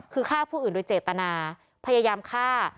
คือฆ่าผู้อื่นโดยเจตนาพยายามฆ่า